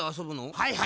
はいはい。